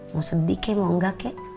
mau sedih kek mau enggak kek